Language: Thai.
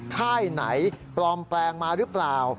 ค่ายไหนปลอมแปลงมาหรือเปล่า